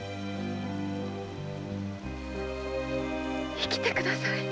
生きてください。